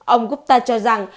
ông gupta cho rằng